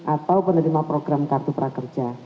atau penerima program kartu prakerja